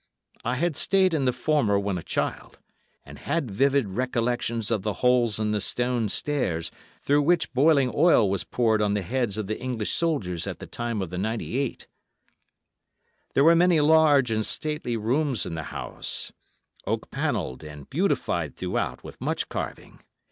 I had stayed in the former when a child, and had vivid recollections of the holes in the stone stairs, through which boiling oil was poured on the heads of the English soldiers at the time of the '98. There were many large and stately rooms in the house, oak panelled and beautified throughout with much carving.